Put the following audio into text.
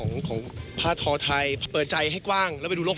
มันได้การประกาย่งแบบทุกคน